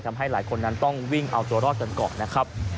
ทำให้หลายคนนั้นต้องวิ่งเอาตัวรอดกันก่อนนะครับ